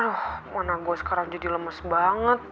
aduh mana gue sekarang jadi lemes banget